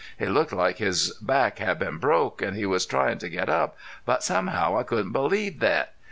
He looked like his back had been broke an' he was tryin' to get up, but somehow I couldn't believe thet.